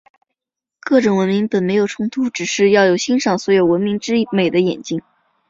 各种文明本没有冲突，只是要有欣赏所有文明之美的眼睛。